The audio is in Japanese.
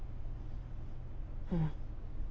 うん。